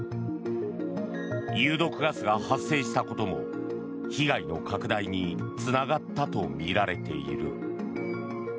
有毒ガスが発生したことも被害の拡大につながったとみられている。